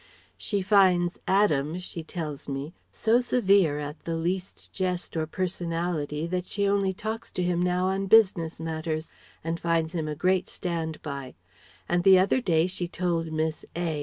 She finds Adams she tells me so severe at the least jest or personality that she only talks to him now on business matters, and finds him a great stand by; and the other day she told Miss A.